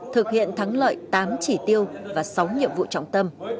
thực hiện thắng lợi tám chỉ tiêu và sáu nhiệm vụ trọng tâm